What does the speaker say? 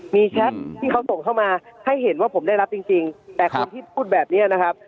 มีแชทที่เขาส่งเข้ามาให้เห็นว่าผมได้รับจริงจริงแต่คนที่พูดแบบนี้นะครับ